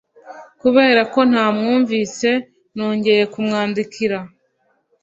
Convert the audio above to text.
Kubera ko ntamwumvise nongeye kumwandikira